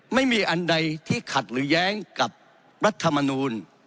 ไม่มีอันใดที่ขัดหรือแย้งกับรัฐมนูล